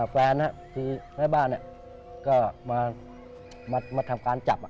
แฟนคือแม่บ้านก็มาทำการจับ